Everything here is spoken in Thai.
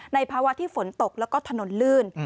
ภาวะที่ฝนตกแล้วก็ถนนลื่น